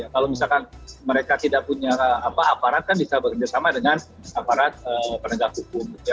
kalau mereka tidak punya aparat bisa bekerja sama dengan penegak hukum